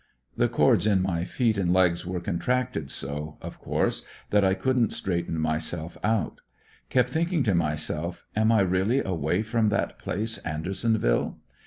The cords in my feet and le>is were contracted so, of course, that I couldn't straighten myself out. Kept thinking to myself, "am I really away from that place Andersonville?"